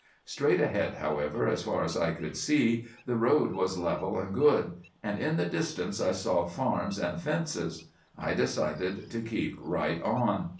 "'Straight ahead, however, as far as I could see, the road was level and good; and in the distance I saw farms and fences. I decided to keep right on.